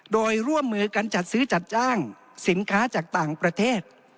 โดยร่วมมือกันจัดซื้อจัดจ้างสินค้าจากต่างประเทศ